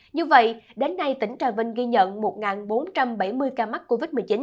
như vậy đến nay tỉnh trà vinh ghi nhận một bốn trăm bảy mươi ca mắc covid một mươi chín